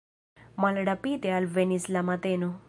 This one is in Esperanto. Malrapide alvenis la mateno.